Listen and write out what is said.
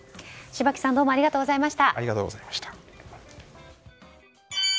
柴木さんどうもありがとうございました。